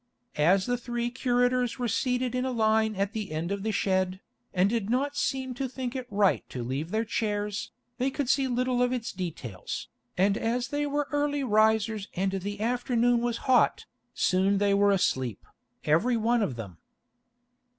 As the three curators were seated in a line at the end of the shed, and did not seem to think it right to leave their chairs, they could see little of its details, and as they were early risers and the afternoon was hot, soon they were asleep, every one of them.